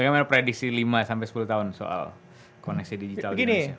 bagaimana prediksi lima sampai sepuluh tahun soal koneksi digital di indonesia